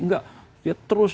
enggak dia terus